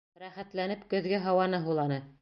Рәхәтләнеп көҙгө һауаны һуланы.